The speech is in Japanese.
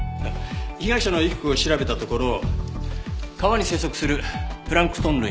被害者の衣服を調べたところ川に生息するプランクトン類が付着していました。